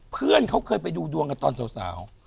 เพื่อนเขาเคยไปดูดวงกันตอนสาว